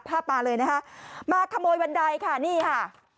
มาเลยนะคะมาขโมยบันไดค่ะนี่ค่ะ